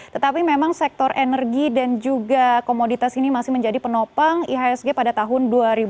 tetapi memang sektor energi dan juga komoditas ini masih menjadi penopang ihsg pada tahun dua ribu dua puluh